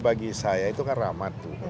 bagi saya itu kan rahmat tuh